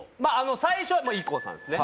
最初はＩＫＫＯさんですね